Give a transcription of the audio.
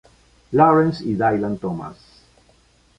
Lawrence y Dylan Thomas.